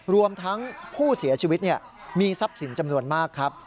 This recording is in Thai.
รวมทั้งผู้เสียชีวิตมีทรัพย์สินจำนวนมากครับ